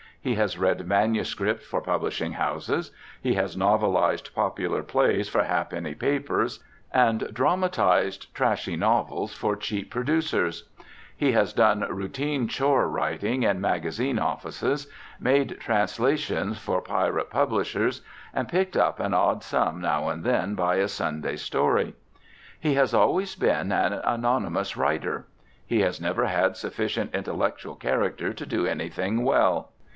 He has read manuscript for publishing houses; he has novelised popular plays for ha penny papers, and dramatised trashy novels for cheap producers; he has done routine chore writing in magazine offices, made translations for pirate publishers, and picked up an odd sum now and then by a "Sunday story." He has always been an anonymous writer. He has never had sufficient intellectual character to do anything well.